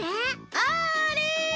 あれ！